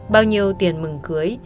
bao nhiêu tiền mừng cưới